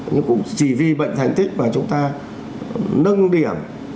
nhưng cũng chỉ vì bệnh thành tích mà chúng ta nâng điểm